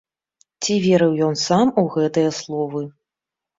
Ці верыў ён сам у гэтыя словы.